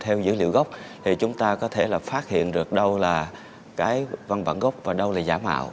theo dữ liệu gốc thì chúng ta có thể là phát hiện được đâu là cái văn bản gốc và đâu là giả mạo